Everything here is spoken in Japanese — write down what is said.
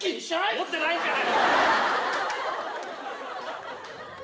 持ってないんかい。